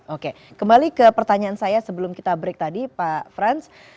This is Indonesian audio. oke kembali ke pertanyaan saya sebelum kita break tadi pak frans